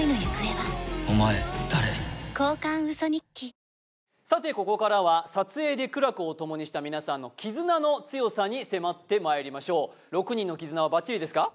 破壊力がさてここからは撮影で苦楽をともにした皆さんの絆の強さに迫ってまいりましょう６人の絆はバッチリですか？